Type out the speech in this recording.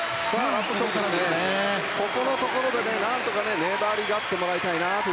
ここのところで何とか粘り勝ってもらいたい。